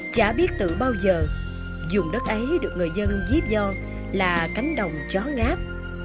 chả biết từ bao giờ dùng đất ấy được người dân diếp do là cánh đồng chó ngáp